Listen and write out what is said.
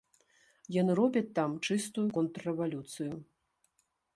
Яны робяць там чыстую контррэвалюцыю.